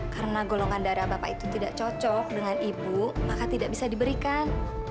karena golongan darah bapak itu tidak cocok dengan ibu maka tidak bisa diberikan